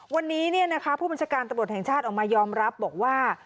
วันนี้เนี่ยนะคะผู้บัญชาการตะบดแห่งชาติออกมายอมรับบอกว่า